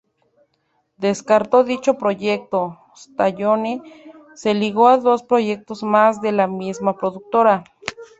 Descartado dicho proyecto, Stallone se ligó a dos proyectos más de la misma productora.